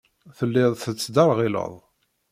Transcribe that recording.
Telliḍ tettderɣileḍ.